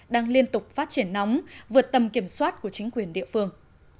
đang liên tục phát triển nóng vượt tầm kiểm soát của chính quyền địa phương